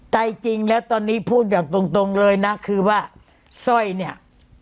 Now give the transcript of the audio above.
ใจจริงแล้วตอนนี้พูดอย่างตรงตรงเลยนะคือว่าสร้อยเนี่ย